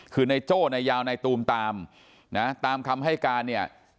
คือนายโจ้นายยาวในตูมตามนะตามคำให้การเนี่ย